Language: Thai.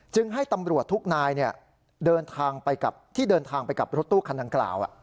จึงให้ตำรวจทุกนายที่เดินทางไปกับรถตู้คันดังกล่าว